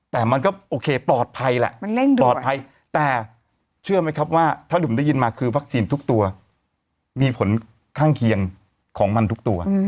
แต่มันก็โอเคปลอดภัยแหละปลอดภัยแต่เชื่อไหมครับว่าถ้าดื่มได้ยินมาคือวัคซีนทุกตัวมีผลข้างเคียงของมันทุกตัว